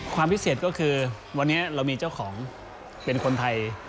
ความพิเศษก็คือวันนี้เรามีเจ้าของเป็นคนไทย